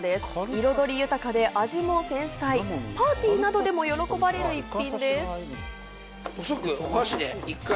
彩り豊かで味も繊細、パーティーなどでも喜ばれる一品です。